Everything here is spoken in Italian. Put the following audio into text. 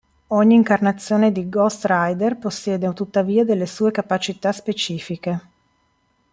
Ogni incarnazione di Ghost Rider possiede tuttavia delle sue capacità specifiche.